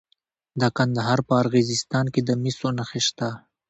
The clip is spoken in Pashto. د کندهار په ارغستان کې د مسو نښې شته.